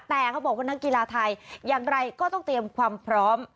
แต่เขาบอกว่านักกีฬาไทยอย่างไรก็ต้องเตรียมความพร้อม